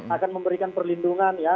akan memberikan perlindungan ya